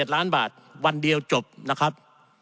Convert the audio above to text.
๗ล้านบาทวันเดียวจบนะครับ